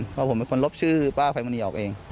เพราะผมเป็นคนลบชื่อป้าภัยมณีออกเอง